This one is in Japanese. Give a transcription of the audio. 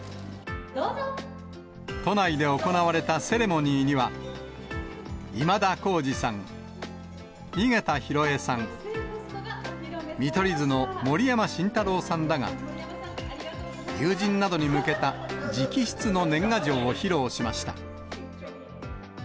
都内で行われたセレモニーには、今田耕司さん、井桁弘恵さん、見取り図の盛山晋太郎さんらが、友人などに向けた直筆の年賀状を披露しました。